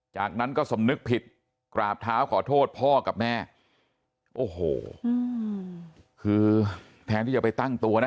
จากนั้นก็สำนึกผิดกราบเท้าขอโทษพ่อกับแม่โอ้โหคือแทนที่จะไปตั้งตัวนะ